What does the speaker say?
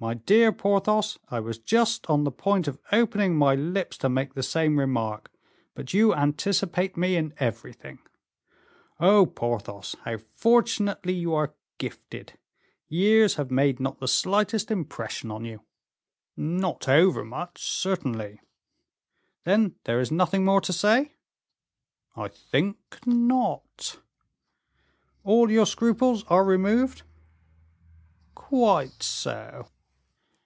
"My dear Porthos, I was just on the point of opening my lips to make the same remark, but you anticipate me in everything. Oh! Porthos, how fortunately you are gifted! Years have made not the slightest impression on you." "Not over much, certainly." "Then there is nothing more to say?" "I think not." "All your scruples are removed?" "Quite so."